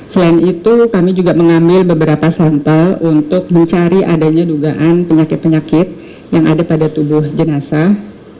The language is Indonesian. dan itu kami juga mengambil beberapa sampel untuk mencari adanya dugaan penyakit penyakit yang ada pada tubuh jenazah